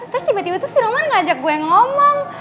terus tiba tiba tuh si roman ngajak gue yang ngomong